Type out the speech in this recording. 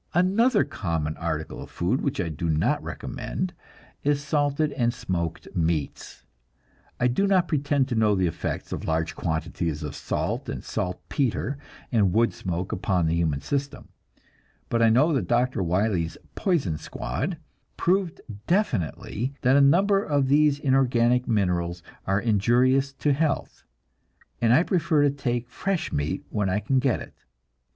Another common article of food which I do not recommend is salted and smoked meats. I do not pretend to know the effects of large quantities of salt and saltpetre and wood smoke upon the human system, but I know that Dr. Wiley's "poison squad" proved definitely that a number of these inorganic minerals are injurious to health, and I prefer to take fresh meat when I can get it.